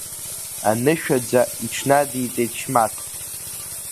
Анышәаӡа иҽнадиҵеит Шьмаҭ.